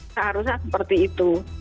seharusnya seperti itu